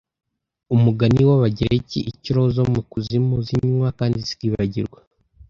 Umugani w'Abagereki icyo roho zo mu kuzimu zinywa kandi zikibagirwa